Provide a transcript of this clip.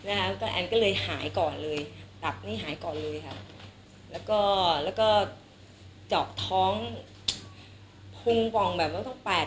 อันก็เลยหายก่อนเลยตับนี้หายก่อนเลยค่ะแล้วก็เจาะท้องพุงว่างแบบว่าต้องแปด